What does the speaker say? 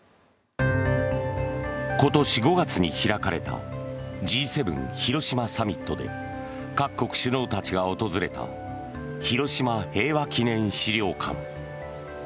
今年５月に開かれたＧ７広島サミットで各国首脳たちが訪れた広島平和記念資料館。